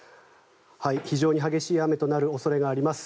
非常に激しい雨となる恐れがあります。